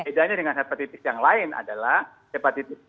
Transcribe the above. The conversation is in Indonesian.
bedanya dengan hepatitis yang lain adalah hepatitis